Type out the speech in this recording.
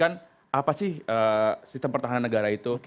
karena apa sih sistem pertahanan negara itu